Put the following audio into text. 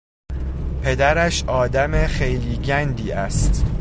پدرش آدم خیلی گندی است.